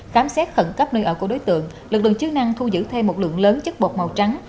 khám xét khẩn cấp nơi ở của đối tượng lực lượng chức năng thu giữ thêm một lượng lớn chất bột màu trắng